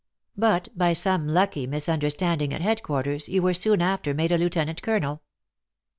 But, by some lucky misunderstanding at headquarters, you were soon after made a lieut. colonel."